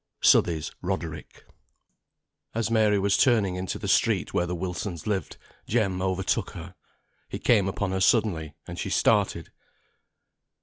SOUTHEY'S "RODERICK." As Mary was turning into the street where the Wilsons lived, Jem overtook her. He came upon her suddenly, and she started.